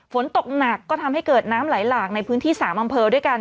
ฝนตกหนักก็ทำให้เกิดน้ำไหลหลากในพื้นที่๓อำเภอด้วยกัน